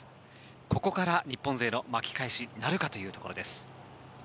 ここから日本勢の巻き返しなるかというところです。